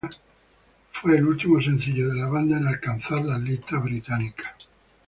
Fue el último sencillo de la banda en alcanzar las listas británicas.